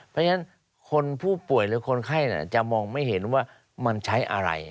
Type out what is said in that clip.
เพราะฉะนั้นคนผู้ป่วยหรือคนไข้จะมองไม่เห็นว่ามันใช้อะไร